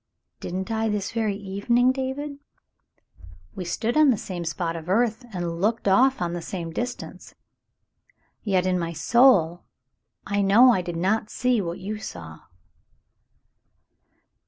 "Didn't I this very evening, David ?'* "We stood on the same spot of earth and looked off on the same distance, yet in my soul I know I did not see what you saw."